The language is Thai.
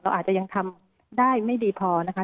อาจจะยังทำได้ไม่ดีพอนะคะ